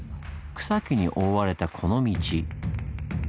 草木に覆われたこの道。